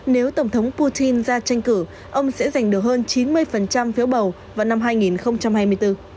nếu tổng thống putin ra tranh cử ông sẽ giành được hơn chín mươi phiếu bầu vào năm hai nghìn hai mươi bốn